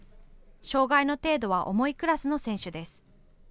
障害の程度は重いクラスの選手です。